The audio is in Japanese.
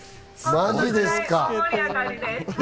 マジですか？